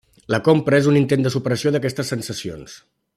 La compra és un intent de superació d'aquestes sensacions.